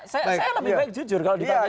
saya lebih baik jujur kalau dipakai gitu pak